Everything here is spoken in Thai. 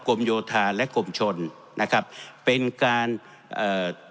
โยธาและกรมชนนะครับเป็นการเอ่อ